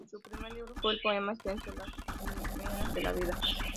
Su primer libro fue el poema extenso "Las Quimeras de la vida.